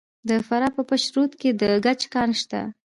د فراه په پشت رود کې د ګچ کان شته.